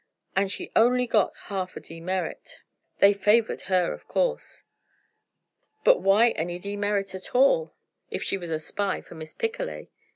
"And she only got half a demerit. They favored her, of course." "But why any demerit at all, if she was a spy for Miss Picolet?"